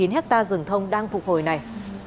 một mươi chín hectare rừng thông đang phục hồi này